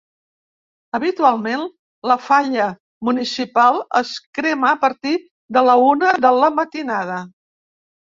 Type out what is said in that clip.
Habitualment, la falla municipal es crema a partir de la una de la matinada.